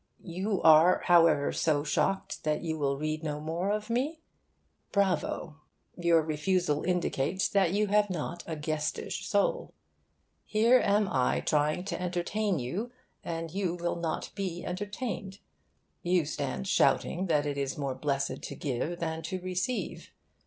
You are, however, so shocked that you will read no more of me? Bravo! Your refusal indicates that you have not a guestish soul. Here am I trying to entertain you, and you will not be entertained. You stand shouting that it is more blessed to give than to receive.